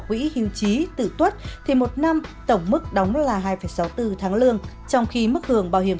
quỹ hưu chí tự tuốt thì một năm tổng mức đóng là hai sáu mươi bốn tháng lương trong khi mức hưởng bảo hiểm